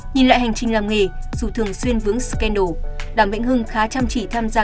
nhìn lại hành trình làm nghề dù thường xuyên vướng scandal vĩnh hưng khá chăm chỉ tham gia